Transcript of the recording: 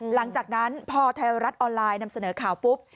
หลังจากนั้นพอไทยรัฐออนไลน์นำเสนอข่าวปุ๊บ